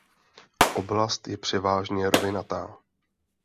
Oblast je převážné rovinatá.